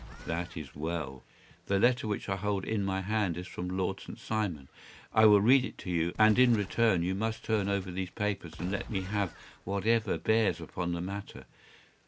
” “That is well. The letter which I hold in my hand is from Lord St. Simon. I will read it to you, and in return you must turn over these papers and let me have whatever bears upon the matter.